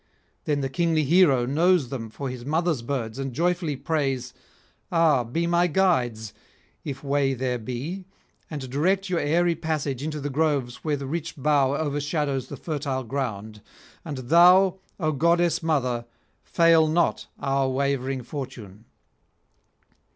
Then the kingly hero knows them for his mother's birds, and joyfully prays: 'Ah, be my guides, if way there be, and direct your aëry passage into the groves [195 230]where the rich bough overshadows the fertile ground! and thou, O goddess mother, fail not our wavering fortune.'